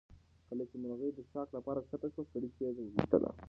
کله چې مرغۍ د څښاک لپاره کښته شوه سړي تیږه وویشتله.